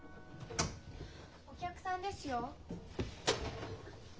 お客さんですよ。